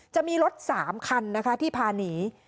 จะมีรถ๓คันนะคะที่พาหนี